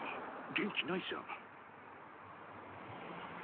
元気ないじゃん。